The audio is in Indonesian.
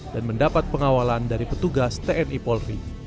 dan mendapat pengawalan dari petugas tni polri